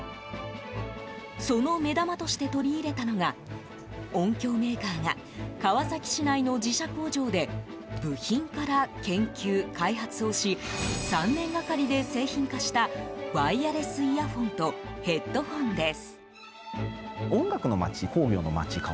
その目玉として取り入れたのが音響メーカーが川崎市内の自社工場で部品から研究・開発をし３年がかりで製品化したワイヤレスイヤホンとヘッドホンです。